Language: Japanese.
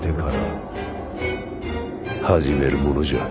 始めるものじゃ。